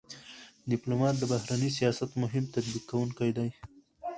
ډيپلومات د بهرني سیاست مهم تطبیق کوونکی دی.